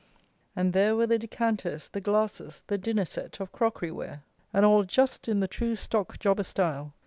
And there were the decanters, the glasses, the "dinner set" of crockery ware, and all just in the true stock jobber style.